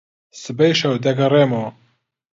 سبەی شەو دەگەڕێمەوە.